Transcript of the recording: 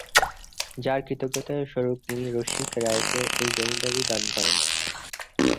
যার কৃতজ্ঞতা স্বরূপ তিনি রসিক রায়কে এই জমিদারী দান করেন।